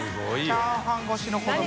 チャーハン越しの子ども。